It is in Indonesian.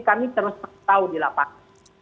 kami terus tahu di lapangan